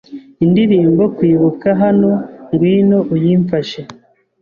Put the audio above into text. Indirimbo Kwibuka Hano Ngwino uyimfashe